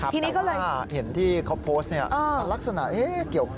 เห็นที่มันโพสต์